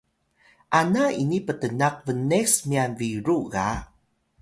ana ini ptnaq bnes myan biru ga